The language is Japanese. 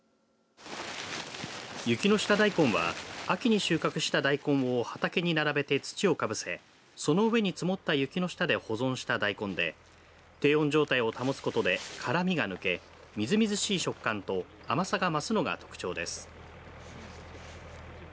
雪の下大根は秋に収穫した大根を畑に並べて土をかぶせその上に積もった雪の下で保存した大根で低温状態を保つことで辛味が抜けみずみずしい食感と甘さが増すのが特徴です。